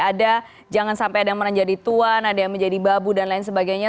ada jangan sampai ada yang menjadi tuan ada yang menjadi babu dan lain sebagainya